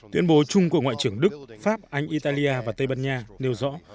tuyên bố chung của ngoại trưởng đức pháp anh italia và tây ban nha nêu rõ